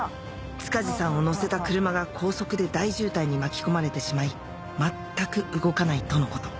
塚地さんを乗せた車が高速で大渋滞に巻き込まれてしまい全く動かないとのこと